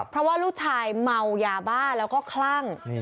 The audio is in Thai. เพราะว่าลูกชายเมายาบ้าแล้วก็คลั่ง